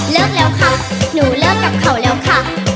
แล้วค่ะหนูเลิกกับเขาแล้วค่ะ